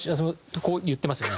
こう言ってますよね。